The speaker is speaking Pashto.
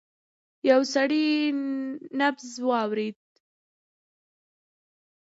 يو سړی نبض واورېد.